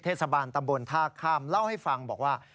เทศบาลตำบลท่าข้ามเล่าให้ฟังบอกว่า